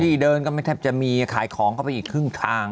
ที่เดินก็ไม่แทบจะมีขายของเข้าไปอีกครึ่งทาง